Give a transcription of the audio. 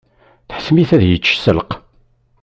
Tḥettem-it ad yečč sselq.